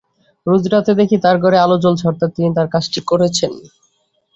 রোজ রাতে দেখি তাঁর ঘরে আলো জ্বলছে অর্থাৎ তিনি তাঁর কাজটি করছেন।